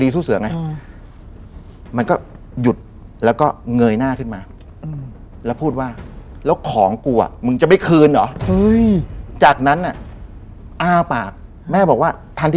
ซึ่งมันบ่อยเกินไป